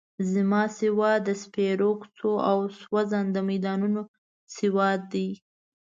زما سواد د سپېرو کوڅو او سوځنده میدانونو سواد دی.